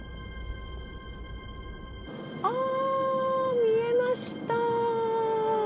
あ見えました。